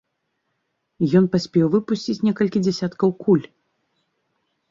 Ён паспеў выпусціць некалькі дзясяткаў куль.